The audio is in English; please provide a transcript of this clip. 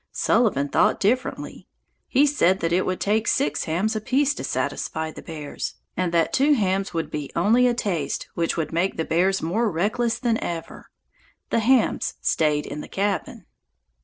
Sullivan thought differently; he said that it would take six hams apiece to satisfy the bears, and that two hams would be only a taste which would make the bears more reckless than ever. The hams stayed in the cabin.